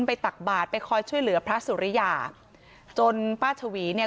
ตักบาทไปคอยช่วยเหลือพระสุริยาจนป้าชวีเนี่ย